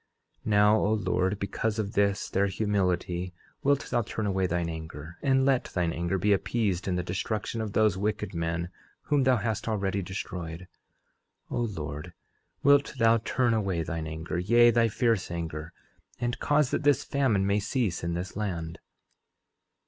11:11 Now, O Lord, because of this their humility wilt thou turn away thine anger, and let thine anger be appeased in the destruction of those wicked men whom thou hast already destroyed. 11:12 O Lord, wilt thou turn away thine anger, yea, thy fierce anger, and cause that this famine may cease in this land.